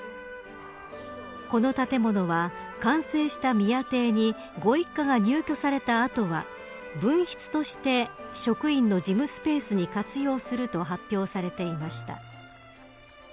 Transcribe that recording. この建物は、完成した宮邸にご一家が入居された後は分室として職員の事務スペースに活用すると発表されていました。